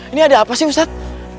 ini ada apa sih ustadz